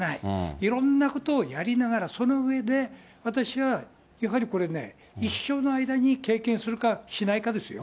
いろんなことをやりながら、その上で私はやはりこれね、一生の間に経験するかしないかですよ。